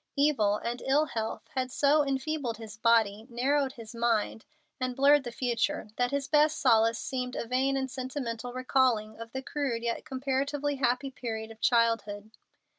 Evil and ill health had so enfeebled his body, narrowed his mind, and blurred the future, that his best solace seemed a vain and sentimental recalling of the crude yet comparatively happy period of childhood.